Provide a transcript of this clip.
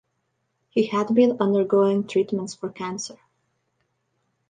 He had been undergoing treatments for cancer.